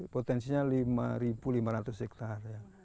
potensinya lima lima ratus hektare